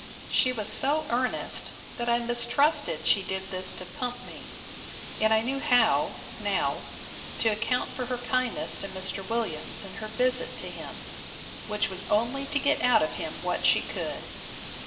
She was so earnest, that I mistrusted she did this to pump me; and I knew how, now, to account for her kindness to Mr. Williams in her visit to him; which was only to get out of him what she could.